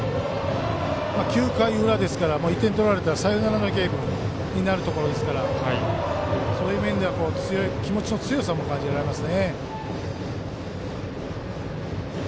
９回裏ですから、１点取られたらサヨナラのゲームになるところですからそういう面では気持ちの強さも感じます。